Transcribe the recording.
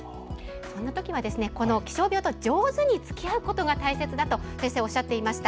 そんなときは気象病と上手につきあうことが大切だと先生おっしゃっていました。